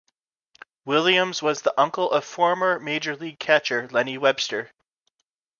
Williams was the uncle of former Major League catcher Lenny Webster.